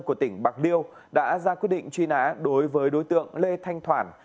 của tỉnh bạc liêu đã ra quyết định truy nã đối với đối tượng lê thanh khoản